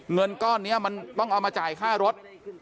เงินก้อนนี้มันต้องเอามาจ่ายค่ารถ